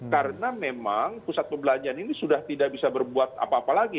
karena memang pusat perbelanjaan ini sudah tidak bisa berbuat apa apa lagi